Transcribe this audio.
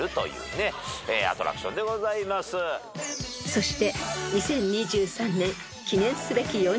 ［そして］